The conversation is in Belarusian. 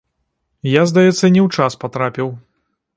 Я, здаецца, не ў час патрапіў.